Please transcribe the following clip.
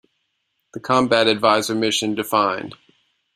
The Combat Advisor Mission Defined.